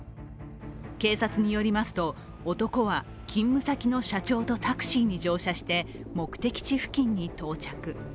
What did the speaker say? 警察によりますと、男は勤務先の社長とタクシーに乗車して目的地付近に到着。